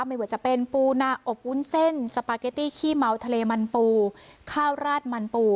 ไม่ว่าจะเป็นปูนาอบวุ้นเส้นสปาเกตตี้ขี้เมาทะเลมันปูข้าวราดมันปู